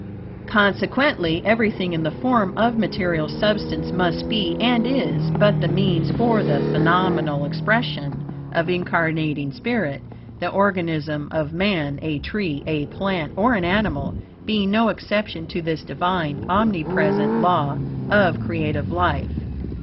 Consequently, everything in the form of material substance must be, and is, but the means for the phenomenal expression of incarnating spirit; the organism of man, a tree, a plant, or an animal, being no exception to this Divine, omnipresent law of creative life.